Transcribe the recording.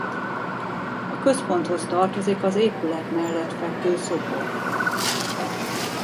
A központhoz tartozik az épület mellett fekvő szoborpark is.